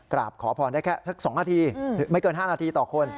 กราบขอพรได้แค่สัก๒นาทีไม่เกิน๕นาทีต่อคน